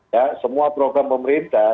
ya semua program pemerintah